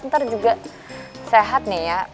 ntar juga sehat nih ya